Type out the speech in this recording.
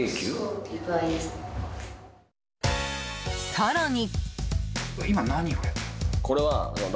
更に。